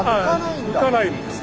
抜かないんですよ。